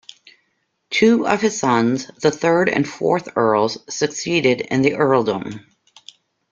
Two of his sons, the third and fourth Earls, succeeded in the earldom.